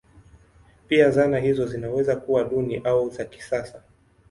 Pia zana hizo zinaweza kuwa duni au za kisasa.